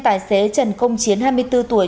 tài xế trần công chiến hai mươi bốn tuổi